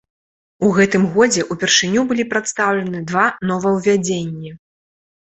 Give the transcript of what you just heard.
У гэтым годзе ўпершыню былі прадстаўлены два новаўвядзенні.